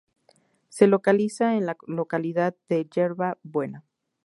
Se localiza en la localidad de Yerba Buena.